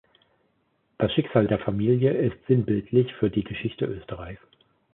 Das Schicksal der Familie ist sinnbildlich für die Geschichte Österreichs.